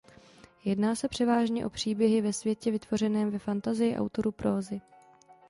Jedná se převážně o příběhy ve světě vytvořeném ve fantazii autorů prózy.